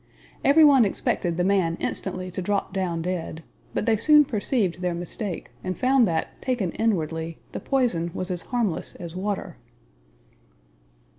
Everyone expected the man instantly to drop down dead; but they soon perceived their mistake, and found that, taken inwardly, the poison was as harmless as water."